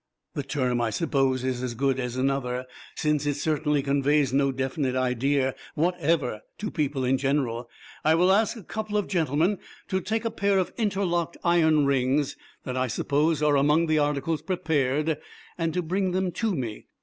The term, I suppose, is as good as another, since it certainly conveys no definite idea whatever to people in general. I will ask a couple of gentlemen to take a pair of interlocked iron rings that I suppose are among the articles prepared, and to bring them to me.